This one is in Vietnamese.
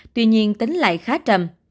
tuy nhiên tính lại khá trầm